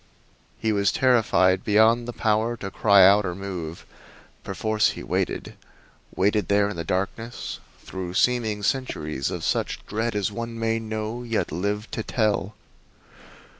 He was terrified beyond the power to cry out or move. Perforce he waited waited there in the darkness through seeming centuries of such dread as one may know, yet live to tell.